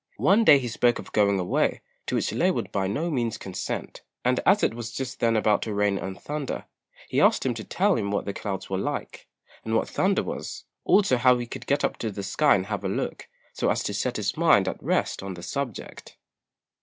One day he spoke of going away, to which Lê would by no means consent; and as it was just then about to rain and thunder, he asked him to tell him what the clouds were like, and what thunder was, also how he could get up to the sky and have a look, so as to set his mind at rest on the subject.